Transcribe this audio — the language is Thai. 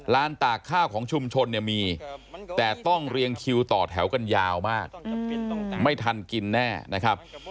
ตากข้าวของชุมชนเนี่ยมีแต่ต้องเรียงคิวต่อแถวกันยาวมากไม่ทันกินแน่นะครับ